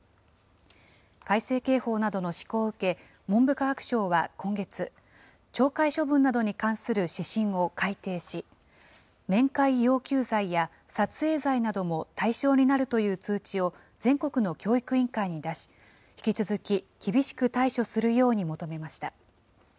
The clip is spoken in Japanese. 改正刑法などの施行を受け、文部科学省は今月、懲戒処分などに関する指針を改訂し、面会要求罪や撮影罪なども対象になるという通知を全国の教育委員会に出し、引き続き厳しく対処するように求めました。